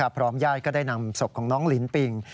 พร้อมญาติก็ได้นำศพของน้องลินปิง